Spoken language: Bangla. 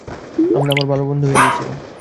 আর আমরা ভালো বন্ধু হয়ে গিয়েছিলাম।